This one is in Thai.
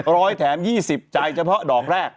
ร้อยแถม๒๐จ่ายเจ้าพร้อมดอกแรก